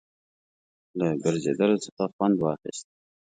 له ګرځېدلو څخه خوند واخیست.